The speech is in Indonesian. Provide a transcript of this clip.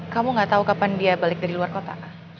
kamu gak tahu kapan dia balik dari luar kota